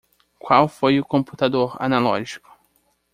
Qual foi o computador analógico?